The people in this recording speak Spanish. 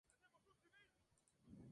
Esta cámara gamma produce una imagen.